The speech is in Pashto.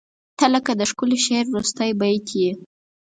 • ته لکه د ښکلي شعر وروستی بیت یې.